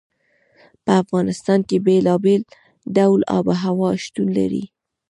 په افغانستان کې بېلابېل ډوله آب وهوا شتون لري.